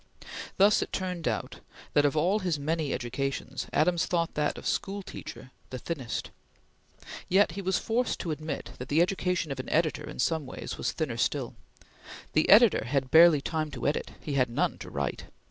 Thus it turned out that of all his many educations, Adams thought that of school teacher the thinnest. Yet he was forced to admit that the education of an editor, in some ways, was thinner still. The editor had barely time to edit; he had none to write.